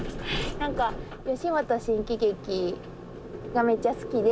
何か吉本新喜劇がめっちゃ好きで。